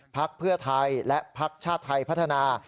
พักเพื่อไทยและพักชาติไทยพัฒนา